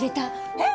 えっ？